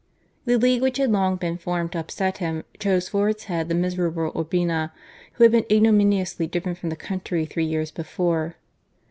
The league which had long been formed to upset him, chose for its head the miserable Urbina, who had been ignominiously driven from the country three years before.